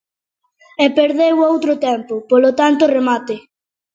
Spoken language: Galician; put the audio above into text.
E perdeu outro tempo; polo tanto, remate.